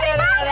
si jejen kemana